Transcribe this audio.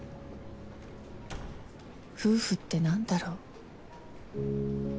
夫婦って何だろう？